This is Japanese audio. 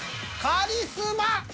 「カリスマ」。